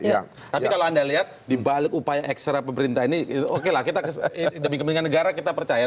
tapi kalau anda lihat dibalik upaya ekstra pemerintah ini oke lah kita demi kepentingan negara kita percaya